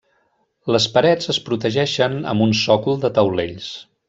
Les parets es protegeixen amb un sòcol de taulells.